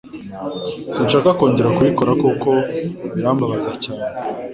Sinshaka kongera kubikora kuko birambabaza cyane